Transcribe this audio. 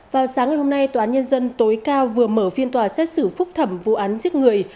vào sáng ngày hôm nay tòa án nhân dân tối cao vừa mở phiên tòa xét xử phúc thẩm vụ án giết người